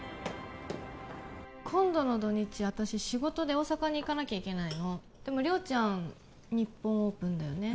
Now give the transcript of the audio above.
今度の土日私仕事で大阪に行かなきゃいけないのでも亮ちゃん日本オープンだよね